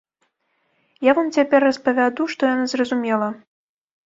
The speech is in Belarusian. Я вам цяпер распавяду, што яна зразумела.